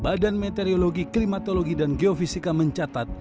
badan meteorologi klimatologi dan geofisika mencatat